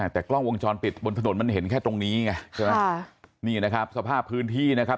แต่กล้องวงจรปิดบนถนนมันเห็นแค่ตรงนี้ไงใช่ไหมค่ะนี่นะครับสภาพพื้นที่นะครับ